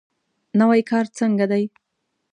نوی کار څنګه دی؟